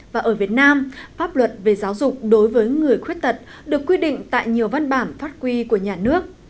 và ở việt nam pháp luật về giáo dục đối với người khuyết tật được quy định tại nhiều văn bản phát quy của nhà nước